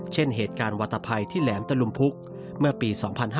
เช่นเหตุการณ์วัตภัยที่แหลมตะลุมพุกเมื่อปี๒๕๕๙